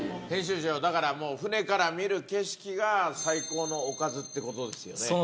編集長、だから、もう船から見る景色が最高のおかずっていうことですよね。